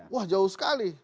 wah jauh sekali